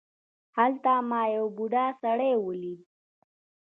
هلته ما یو بوډا سړی ولید.